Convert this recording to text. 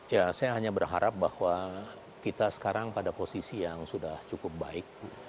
ya saya hanya berharap bahwa kita sekarang pada posisi yang sudah cukup baik